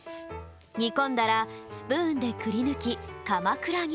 にこんだらスプーンでくりぬきかまくらに。